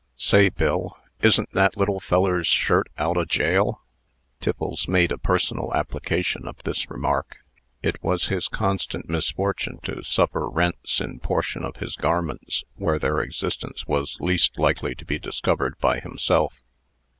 "Say, Bill, isn't that little feller's shirt out o' jail?" Tiffles made a personal application of this remark. It was his constant misfortune to suffer rents in portions of his garments where their existence was least likely to be discovered by himself.